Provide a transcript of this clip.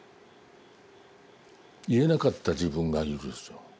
言えなかった自分がいるんですよ。